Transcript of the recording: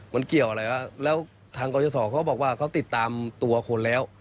มันเกี่ยวอะไรวะแล้วทางกรยศเขาบอกว่าเขาติดตามตัวคนแล้ว